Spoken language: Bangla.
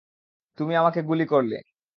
তুমি আমাকে গুলি করলা।